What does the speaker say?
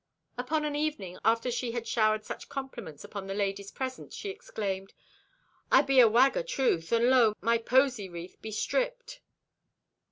Upon an evening after she had showered such compliments upon the ladies present she exclaimed: "I be a wag atruth, and lo, my posey wreath be stripped!"